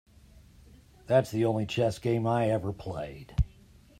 That's the only chess game I ever played.